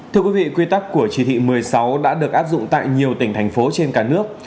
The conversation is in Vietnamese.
thưa quý vị quy tắc của chỉ thị một mươi sáu đã được áp dụng tại nhiều tỉnh thành phố trên cả nước